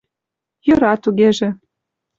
— Йӧра тугеже.